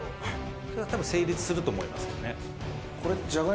「それは多分成立すると思いますけどね」